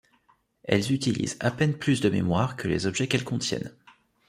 Elles utilisent à peine plus de mémoire que les objets qu'elles contiennent.